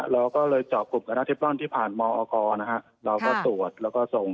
เราก็เลยจอบกลุ่มกระทะเทปร่อนที่ผ่านมอกนะครับเราก็ตรวจแล้วก็ส่ง